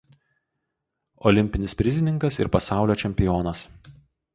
Olimpinis prizininkas ir pasaulio čempionas.